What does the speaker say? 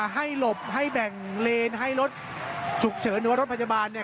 ให้หลบให้แบ่งเลนให้รถฉุกเฉินหรือว่ารถพยาบาลเนี่ย